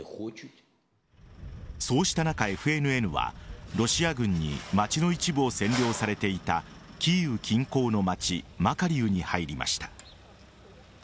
そうした中、ＦＮＮはロシア軍に町の一部を占領されていたキーウ近郊の町マカリウに入りました。